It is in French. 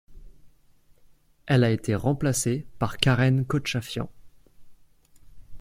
Elle a été remplacée par Karen Khochafian.